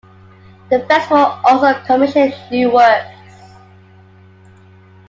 The Festival also commissioned new works.